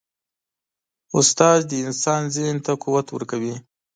استاد د انسان ذهن ته قوت ورکوي.